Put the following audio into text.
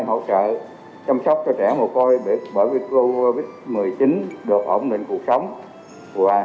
những trẻ mồ côi của cha mẹ gia dịch covid một mươi chín đều có phát triển kết nối vận động các nguồn lực xã hội chung tay